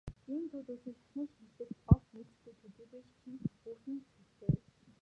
Ийм зүйл үүсвэл шашны шинэчлэлд огт нийцэхгүй төдийгүй шашинд өөрт нь цөвтэй.